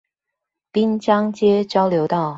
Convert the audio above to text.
濱江街交流道